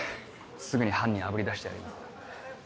すぐに犯人あぶり出してやりますよ。